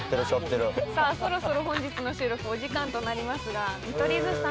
さあそろそろ本日の収録お時間となりますが見取り図さん。